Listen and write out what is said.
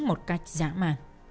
một cách dã mà